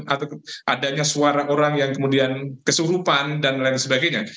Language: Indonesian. atau adanya suara orang yang kemudian kesurupan dan lain sebagainya